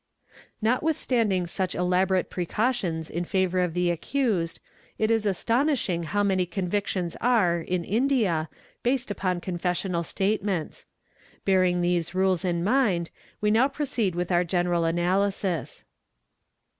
Notwithstanding such elaborate precautions in favour of the accused it is astonishing how many convictions are, in India, based upon con _ fessional statements. Bearing these rules in mind we now proceed with our general analysis.